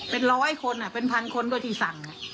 เป็นร้อยคนเป็นพันคนก็ที่สั่ง